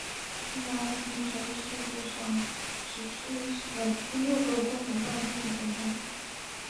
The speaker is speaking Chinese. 这是阿根廷成为世界杯史上的第六个获得冠军的国家。